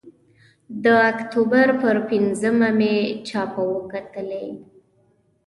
د اکتوبر پر پینځمه مې چاپه وکتلې.